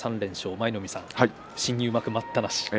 舞の海さん、新入幕待ったなし。